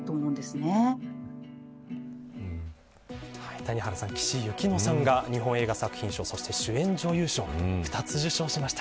谷原さん、岸井ゆきのさんが日本映画作品賞そして主演女優賞２つ受賞しました。